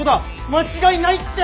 間違いないって！